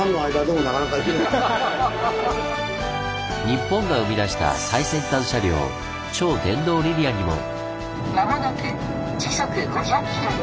日本が生み出した最先端車両超電導リニアにも！